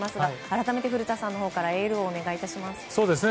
改めて古田さんからエールをお願いします。